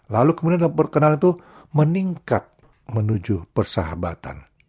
lalu kemudian perkenalan itu meningkat menuju persahabatan